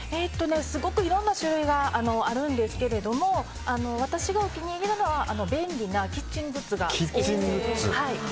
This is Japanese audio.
すごくいろんな種類があるんですけれども私がお気に入りなのは便利なキッチングッズが好きですね。